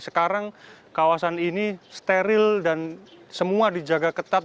sekarang kawasan ini steril dan semua dijaga ketat